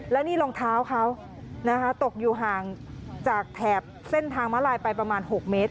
แล้วนี่รองเท้าเขานะคะตกอยู่ห่างจากแถบเส้นทางม้าลายไปประมาณ๖เมตร